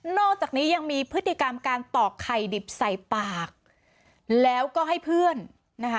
อกจากนี้ยังมีพฤติกรรมการตอกไข่ดิบใส่ปากแล้วก็ให้เพื่อนนะคะ